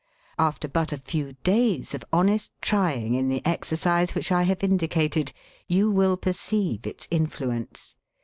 After but a few days of honest trying in the exercise which I have indicated, you will perceive its influence.